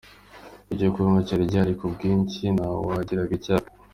Icyo kunywa cyari gihari ku bwinshi, ntawagiraga icyaka.